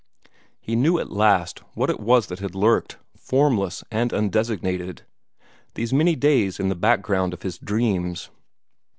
He knew at last what it was that had lurked, formless and undesignated, these many days in the background of his dreams.